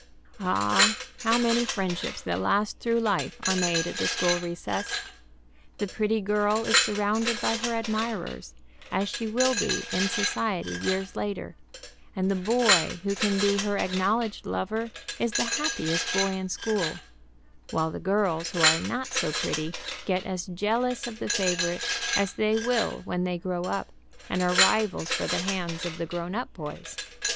Ah, how many friendships that last through life are made at the school recess. The pretty girl is surrounded by her admirers, as she will be in society years later, and the boy who can be her acknowledged lover is the happiest boy in school, while the girls who are not so pretty get as jealous of the favorite as they will when they grow up, and are rivals for the hands of the grown up boys.